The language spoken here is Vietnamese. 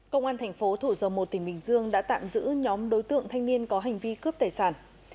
công an thành phố thủ dầu một tỉnh bình dương đã tạm giữ nhóm đối tượng thanh niên có hành vi cướp tài sản